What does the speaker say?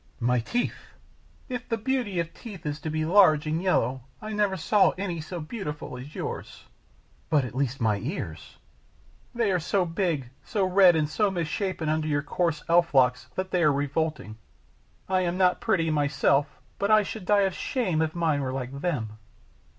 "My teeth " "If the beauty of teeth is to be large and yellow, I never saw any so beautiful as yours." "But, at least, my ears " "They are so big, so red, and so misshapen, under your coarse elf locks, that they are revolting. I am not pretty myself, but I should die of shame if mine were like them."